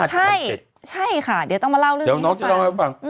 ใช่ค่ะเดี๋ยวต้องมาเล่าเรื่องให้ฟัง